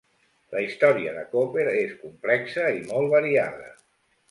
La història de Koper és complexa i molt variada.